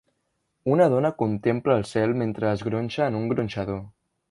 Una dona contempla el cel mentre es gronxa en un gronxador.